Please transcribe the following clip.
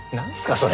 それ！